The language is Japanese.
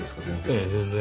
ええ全然。